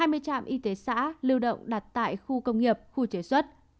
hai mươi trạm y tế xã lưu động đặt tại khu công nghiệp khu chế xuất